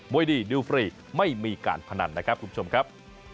วยดีดูฟรีไม่มีการพนันนะครับคุณผู้ชมครับ